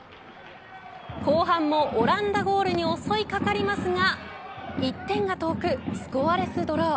後半もオランダゴールに襲いかかりますが１点が遠くスコアレスドロー。